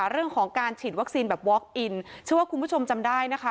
เรื่องของการฉีดวัคซีนแบบวอคอินเชื่อว่าคุณผู้ชมจำได้นะคะ